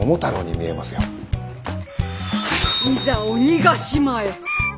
いざ鬼ヶ島へ。